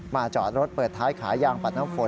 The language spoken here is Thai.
จอดรถเปิดท้ายขายยางปัดน้ำฝน